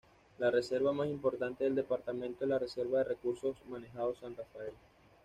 La reserva más importante del departamento es la Reserva de recursos manejados San Rafael.